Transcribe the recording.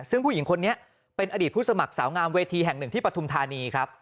ซึ่งผู้หญิงคนนี้เป็นอดีตผู้สมัครสาวงามเวทีแห่งหนึ่งที่ปฐุมธานีครับ